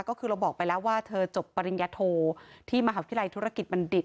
ก็คือเราบอกไปแล้วว่าเธอจบปริญญาโทที่มหาวิทยาลัยธุรกิจบัณฑิต